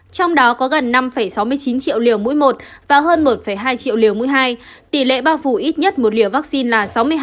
trong đó có gần năm sáu mươi chín triệu liều mũi một và hơn một hai triệu liều mũi hai tỷ lệ bao phủ ít nhất một liều vaccine là sáu mươi hai